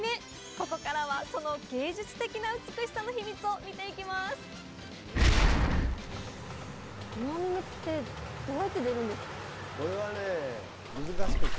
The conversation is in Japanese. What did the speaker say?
ここからはその芸術的な美しさのヒミツを見ていきますそう！